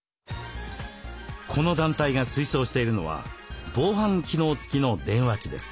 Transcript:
この団体が推奨しているのは防犯機能付きの電話機です。